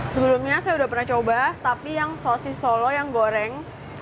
sebelumnya saya sudah pernah coba tapi yang sosis solo yang goreng